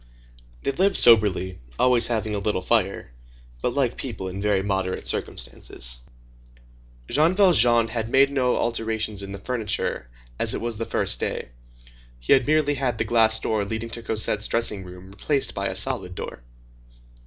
They lived soberly, always having a little fire, but like people in very moderate circumstances. Jean Valjean had made no alterations in the furniture as it was the first day; he had merely had the glass door leading to Cosette's dressing room replaced by a solid door.